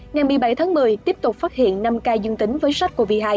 ngày một mươi bảy tháng một mươi tiếp tục phát hiện năm ca dương tính với sars cov hai